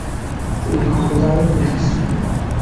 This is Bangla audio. তিনি ক্ষমতায় অধিষ্ঠিত হন।